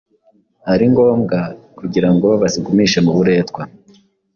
ari ngombwa kugira ngo bazigumishe mu buretwa.